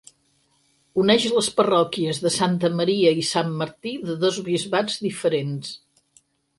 Uneix les parròquies de Santa Maria i Sant Martí, de dos bisbats diferents.